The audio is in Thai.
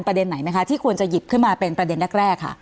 ไหนไหมคะที่ควรจะหยิบขึ้นมาเป็นประเด็นแรกค่ะ